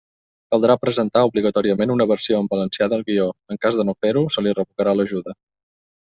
Caldrà presentar obligatòriament una versió en valencià del guió; en cas de no fer-ho, se li revocarà l'ajuda.